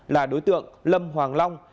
là đối tượng lâm hoàng long